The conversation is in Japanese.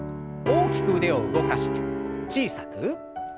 大きく腕を動かして小さく。